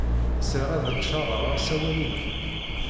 Sriɣ ad d-ččaṛeɣ asawal-inu.